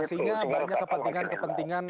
maksudnya adanya kepentingan kepentingan